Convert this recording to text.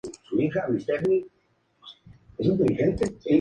Su función es generar la contracción del septo.